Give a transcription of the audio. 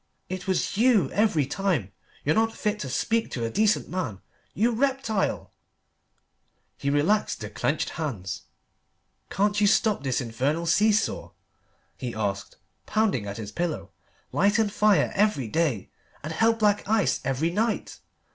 It was you every time. You're not fit to speak to a decent man, you reptile!" He relaxed the clenched hands. "Can't you stop this infernal see saw?" he asked, pounding at his pillow; "light and fire every day, and hell black ice every night.